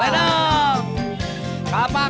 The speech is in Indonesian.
jadi lagi di jalan